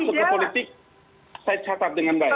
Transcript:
masuk ke politik saya catat dengan baik